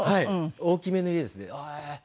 大きめの家ですねええー！